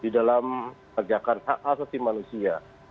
dan membagiakan hak hak setiap manusia